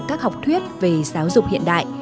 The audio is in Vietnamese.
các học thuyết về giáo dục hiện đại